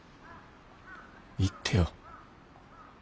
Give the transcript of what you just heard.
行ってよ。